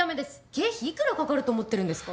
経費いくらかかると思ってるんですか。